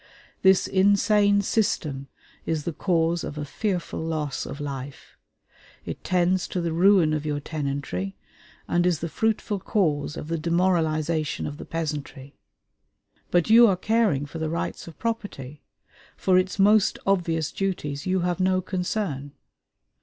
This insane system is the cause of a fearful loss of life; it tends to the ruin of your tenantry, and is the fruitful cause of the demoralization of the peasantry. But you are caring for the rights of property; for its most obvious duties you have no concern.